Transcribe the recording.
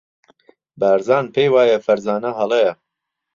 بارزان پێی وایە فەرزانە هەڵەیە.